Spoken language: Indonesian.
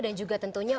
dan juga tentunya